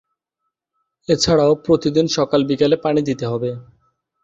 এ ছাড়াও প্রতিদিন সকাল-বিকালে পানি দিতে হবে।